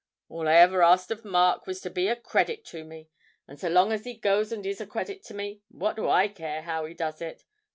All I ever asked of Mark was to be a credit to me, and so long as he goes and is a credit to me, what do I care how he does it?